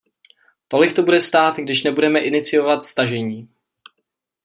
Tolik to bude stát, když nebudeme iniciovat stažení.